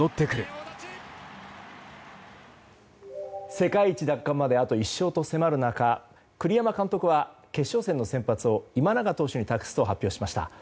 世界一奪還まであと１勝と迫る中栗山監督は決勝戦の先発を今永投手に託すと発表しました。